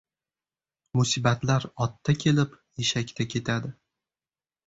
• Musibatlar otda kelib, eshakda ketadi.